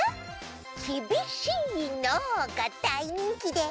「きびしいな」がだいにんきで。